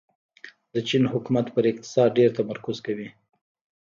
د چین حکومت په اقتصاد ډېر تمرکز کوي.